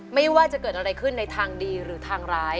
ไม่ว่าจะเกิดอะไรขึ้นในทางดีหรือทางร้าย